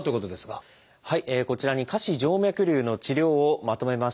こちらに下肢静脈りゅうの治療をまとめました。